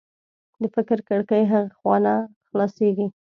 د فکر کړکۍ هغې خوا نه خلاصېږي